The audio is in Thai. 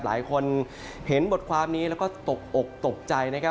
หลายคนเห็นบทความนี้แล้วก็ตกอกตกใจนะครับ